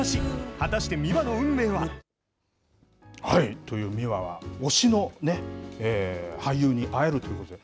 果たしてミワの運命は？という、ミワは推しの俳優に会えるということで。